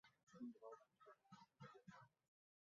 驾驶室大部份覆盖上皮革。